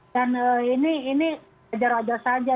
dan ini ajar ajar saja